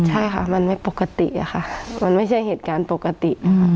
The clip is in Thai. ใช่ค่ะมันไม่ปกติอะค่ะมันไม่ใช่เหตุการณ์ปกติ